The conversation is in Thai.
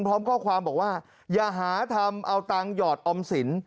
พร้อมข้อความบอกว่าอย่าหาทำเอาตังค์หยอดออมสิน